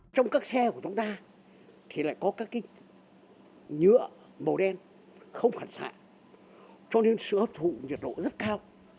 trong các xe của chúng ta thì lại có các cái nhựa màu đen không phản xạ cho nên sự hấp thụ nhiệt độ rất cao